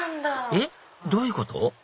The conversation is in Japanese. えっどういうこと？